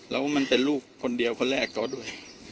แล้วมันเป็นลูกคนเดียวคนแรกเขาด้วย